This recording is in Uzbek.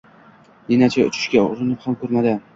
Ninachi uchishga urinib ham ko’rmadi.